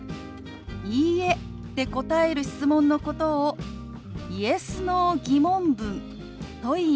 「いいえ」で答える質問のことを「Ｙｅｓ／Ｎｏ−疑問文」といいます。